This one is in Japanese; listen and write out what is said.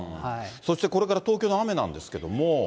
そして、これから東京の雨なんですけども。